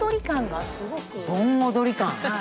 盆踊り感！